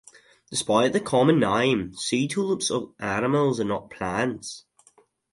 Despite their common name, sea tulips are animals and not plants.